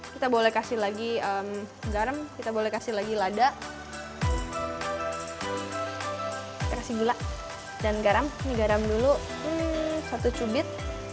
kita boleh kasih lagi garam kita boleh kasih lagi lada kita kasih gula dan garam ini garam dulu satu cubit